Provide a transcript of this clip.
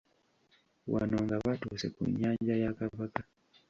Wano nga batuuse ku nnyanja ya Kabaka.